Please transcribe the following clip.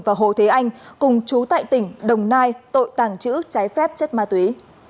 và hồ thế anh cùng chú tại tỉnh đồng nai tội tàng trữ trái phép chất ma túy